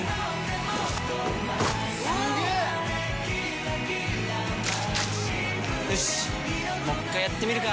すげー‼よしっもう一回やってみるか！